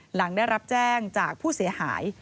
หลังได้รับแจ้งจากผู้เสียหาย